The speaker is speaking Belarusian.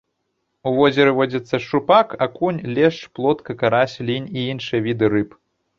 У возеры водзяцца шчупак, акунь, лешч, плотка, карась, лінь і іншыя віды рыб.